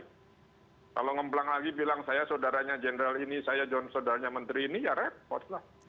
kalau ngeplang lagi bilang saya saudaranya jenderal ini saya john saudaranya menteri ini ya repot lah